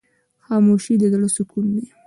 خاموشي، د زړه سکون دی.